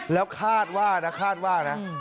แล้วคาดว่านะคาดว่านะ